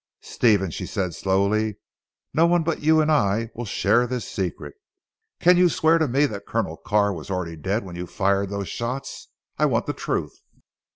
"Stephen," she said slowly, "no one but you and I will share this secret. Can you swear to me that Colonel Carr was already dead when you fired those shots? I want the truth!"